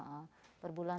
iya per bulan